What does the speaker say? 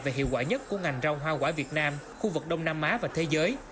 về hiệu quả nhất của ngành rau hoa quả việt nam khu vực đông nam á và thế giới